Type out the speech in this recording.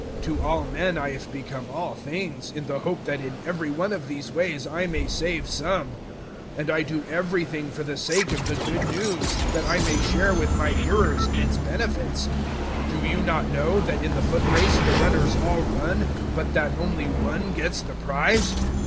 To all men I have become all things, in the hope that in every one of these ways I may save some. 009:023 And I do everything for the sake of the Good News, that I may share with my hearers in its benefits. 009:024 Do you not know that in the foot race the runners all run, but that only one gets the prize?